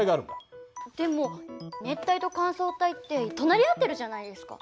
でも熱帯と乾燥帯って隣り合ってるじゃないですか。